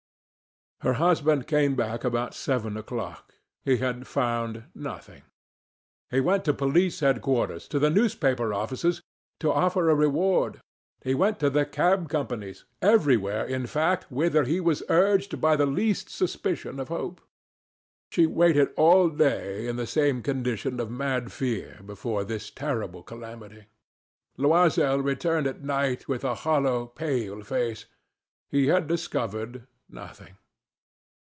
Her husband came back about seven o'clock. He had found nothing. He went to Police Headquarters, to the newspaper offices, to offer a reward; he went to the cab companies everywhere, in fact, whither he was urged by the least suspicion of hope. She waited all day, in the same condition of mad fear before this terrible calamity. Loisel returned at night with a hollow, pale face; he had discovered nothing.